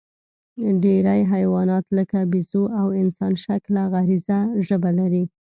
ډېری حیوانات، لکه بیزو او انسانشکله غږیزه ژبه لري.